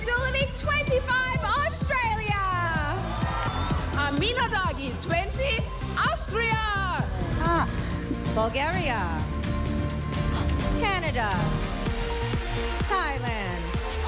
๒๕ออสเตรเลียอัมินาดากิออสเตรเลียบัลเกรียแคนาดาไทยแลนด์